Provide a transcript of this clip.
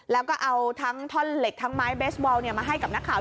แล้วก็เอาทั้งท่อนเหล็กทั้งไม้เบสบอลมาให้กับนักข่าว